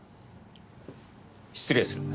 失礼する。